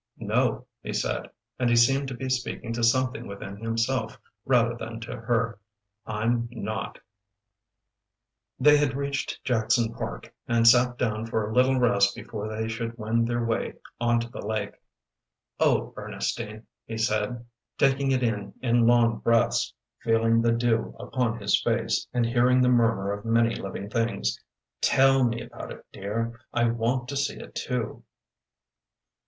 "No," he said, and he seemed to be speaking to something within himself rather than to her, "I'm not!" They had reached Jackson Park, and sat down for a little rest before they should wend their way on to the lake. "Oh, Ernestine," he said, taking it in in long breaths, feeling the dew upon his face, and hearing the murmur of many living things, "tell me about it, dear. I want to see it too!"